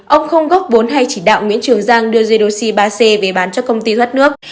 ông không góp vốn hay chỉ đạo nguyễn trường giang đưa jedoxi ba c về bán cho công ty thoát nước